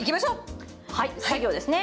はい作業ですね。